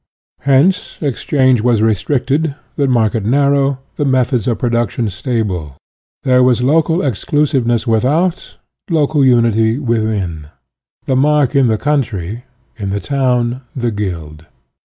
Hence, exchange was restricted, the market narrow, the methods of production stable; there was local ex clusiveness without, local unity within; the mark 1 in the country, in the town, the guild.